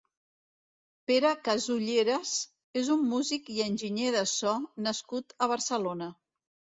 Pere Casulleras és un músic i Enginyer de so nascut a Barcelona.